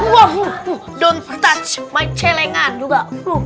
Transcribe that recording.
wah don't touch my celengan juga